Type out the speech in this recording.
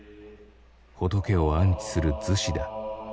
仏を安置する厨子だ。